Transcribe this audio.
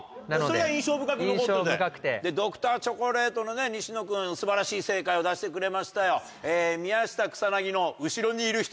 それが印象深く残ってて『Ｄｒ．チョコレート』の西野君素晴らしい正解を出してくれましたよ。